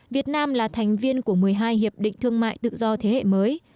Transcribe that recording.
việt nam là thành viên của một mươi hai hiệp định thương mại tự do thế hệ mới